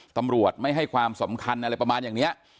ตำรวจไม่ให้ความสำคัญอะไรประมาณอย่างนี้